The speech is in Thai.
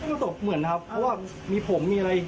เป็นตุ๊กเหมือนนะครับเพราะว่ามีผมมีอะไรอ่า